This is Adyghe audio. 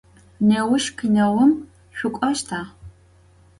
Nêuş kineum şsuk'oşta?